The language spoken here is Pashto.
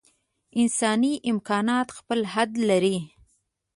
انساني امکانات خپل حد لري.